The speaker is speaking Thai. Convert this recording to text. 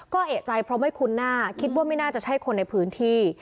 ก็เอกใจเพราะไม่คุ้นหน้าคิดว่าไม่น่าจะใช่คนในพื้นที่